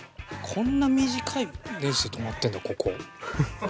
こんな短いネジで留まってんだここ。